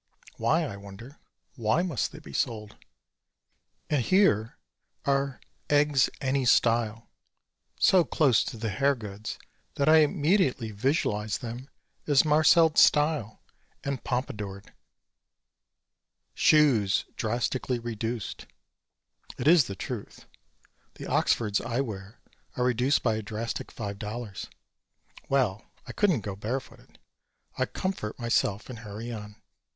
Why, I wonder. Why must they be sold? And here are "Eggs any style," so close to the hair goods that I immediately visualize them as marcelled "style" and pompadoured. "Shoes Drastically Reduced." It is the truth. The Oxfords I wear are reduced by a drastic five dollars. Well, I couldn't go barefooted, I comfort myself and hurry on.